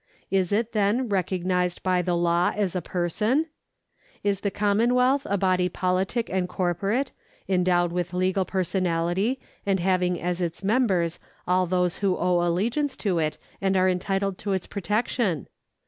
Is it, then, recognised by the law as a person ? Is the com monwealth a body politic and corporate, endowed with legal personality, and having as its members all those who owe allegiance to it and are entitled to its protection